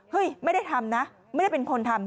ไม่ได้ทำนะไม่ได้เป็นคนทำ